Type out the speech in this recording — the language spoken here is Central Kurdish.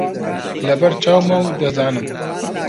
لەبەر چاومە و دەزانم